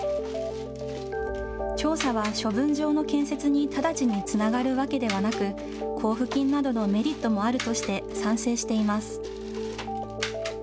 調査は処分場の建設に直ちにつながるわけではなく、交付金などのメリットもあるとして賛成しています。